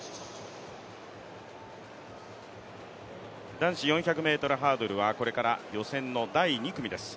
男子４００ｍハードルはこれから予選の第２組です。